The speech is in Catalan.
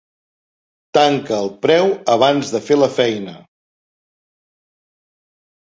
Tanca el preu abans de fer la feina.